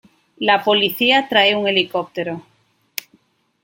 La policía trae un helicóptero.